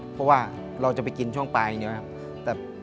เพราะว่าเราจะไปกินช่วงปลายอย่างนี้ครับ